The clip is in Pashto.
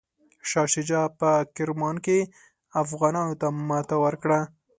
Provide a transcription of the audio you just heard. شاه شجاع په کرمان کې افغانانو ته ماته ورکړه.